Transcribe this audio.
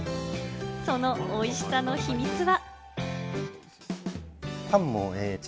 そのおいしさの秘密は。